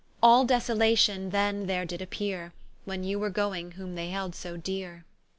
All desolation then there did appeare, When you were going whom they held so deare.